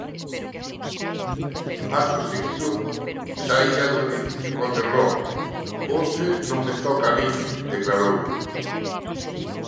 Acto seguido saía do edificio Conde Roa: "Hoxe non me toca a min", declarou.